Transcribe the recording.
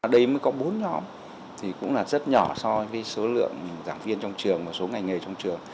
đây mới có bốn nhóm thì cũng là rất nhỏ so với số lượng giảng viên trong trường và số ngành nghề trong trường